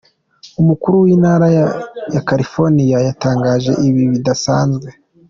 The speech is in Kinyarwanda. Umukuru w'intara ya California yatangaje ibihe bidasanzwe.